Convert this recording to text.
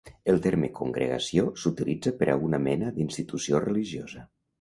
El terme "congregació" s'utilitza per a una mena d'institució religiosa.